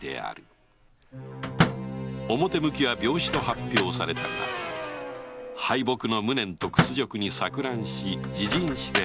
表向きは「病死」と発表されたが敗北の無念と屈辱に錯乱し自刃して果てた